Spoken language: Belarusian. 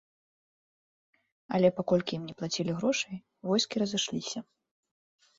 Але паколькі ім не плацілі грошай войскі разышліся.